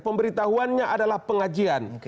pemberitahuannya adalah pengajian